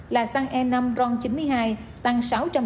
là xăng e năm ron chín mươi hai tăng sáu trăm linh năm đồng